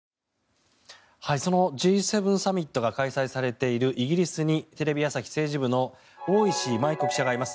そのＧ７サミットが開催されているイギリスにテレビ朝日政治部の大石真依子記者がいます。